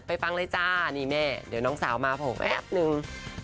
ฟังเลยจ้านี่แม่เดี๋ยวน้องสาวมาโผล่แป๊บนึง